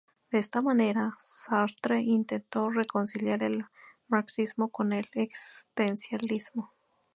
De esta manera, Sartre intentó reconciliar el marxismo con el existencialismo.